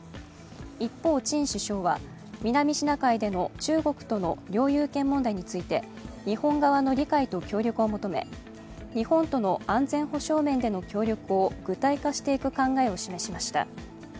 一方、チン首相は南シナ海での中国との領有権問題について日本側の理解と協力を求め日本との安全保障面での協力を具体化していく考えを示しました。